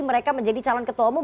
mereka menjadi calon ketua umum